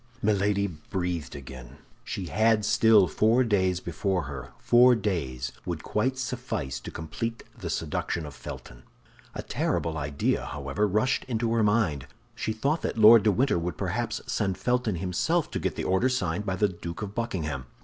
Milady breathed again. She had still four days before her. Four days would quite suffice to complete the seduction of Felton. A terrible idea, however, rushed into her mind. She thought that Lord de Winter would perhaps send Felton himself to get the order signed by the Duke of Buckingham.